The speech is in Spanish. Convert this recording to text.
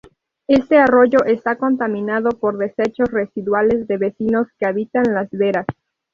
Este arroyo esta contaminado por desechos residuales de vecinos que habitan las veras.